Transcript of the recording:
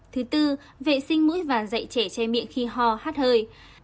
thứ tư vệ sinh mũi và dạy trẻ che miệng khi ho hát hơi